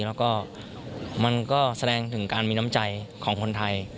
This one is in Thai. แล้วก็มันก็แสดงถึงการมีน้ำใจของคนไทย